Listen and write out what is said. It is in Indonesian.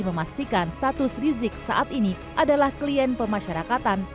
memastikan status rizik saat ini adalah klien pemasyarakatan